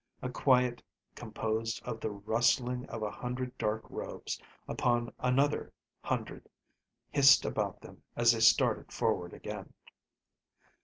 A quiet composed of the rustling of a hundred dark robes upon another hundred hissed about them as they started forward again.